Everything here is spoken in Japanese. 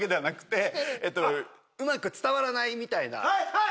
はい！